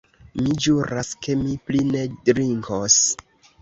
Mi ĵuras, ke mi pli ne drinkos.